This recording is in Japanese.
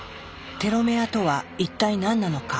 テロメアとは一体何なのか？